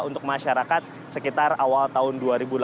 untuk masyarakat sekitar awal tahun dua ribu delapan belas